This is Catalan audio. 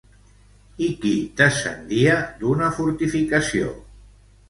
I qui descendia d'una fortificació?